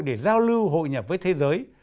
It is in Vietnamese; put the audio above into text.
để giao lưu hội nhập với thế giới